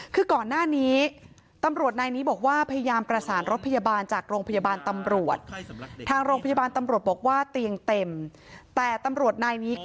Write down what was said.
คือก่อนหน้านี้ตำรวจนายนี้บอกว่าพยายามประสานรถพยาบาลจากโรงพยาบาลตำรวจบอกว่า